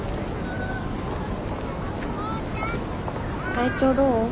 体調どう？